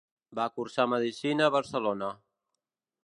Va cursar medicina a Barcelona.